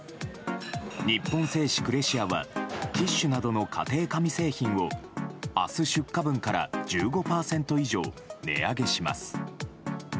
日本製紙クレシアはティッシュなどの家庭紙製品を明日出荷分から１５％以上値上げします。